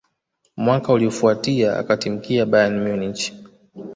Mwaka uliyofuatia akatimkia Bayern Munich